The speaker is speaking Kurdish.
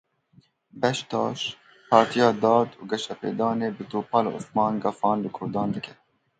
Beştaş, Partiya Dad û Geşepêdanê bi Topal Osman gefan li Kurdan dike.